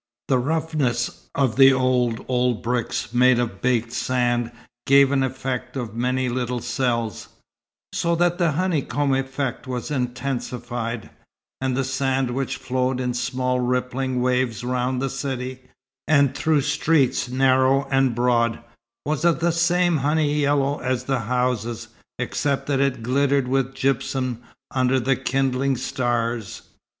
The roughness of the old, old bricks, made of baked sand, gave an effect of many little cells; so that the honeycomb effect was intensified; and the sand which flowed in small rippling waves round the city, and through streets narrow and broad, was of the same honey yellow as the houses, except that it glittered with gypsum under the kindling stars.